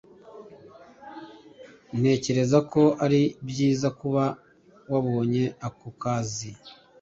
Ntekereza ko ari byiza kuba wabonye ako kazi